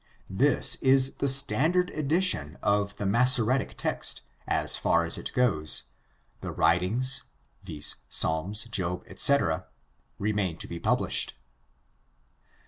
This is the standard edition of the Massoretic text as far as it goes; the "Writings," viz.. Psalms, Job, etc., remain to be published.